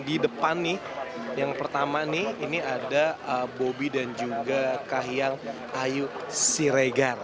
di depan nih yang pertama nih ini ada bobi dan juga kahiyang ayu siregar